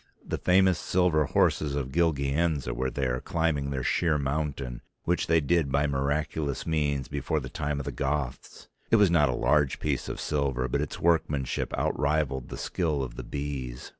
The famous silver horses of Gilgianza were there climbing their sheer mountain, which they did by miraculous means before the time of the Goths. It was not a large piece of silver but its workmanship outrivalled the skill of the bees.